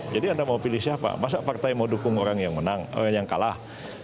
jadi anda mau pilih siapa masa partai mau dukung orang yang kalah